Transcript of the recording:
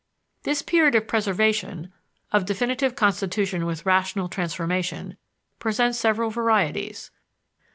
This period of preservation, of definitive constitution with rational transformation, presents several varieties.